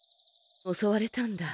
おそわれたんだ。